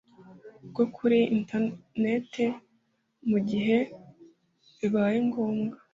bwo kuri internet mu gihe bibaye ngombwa.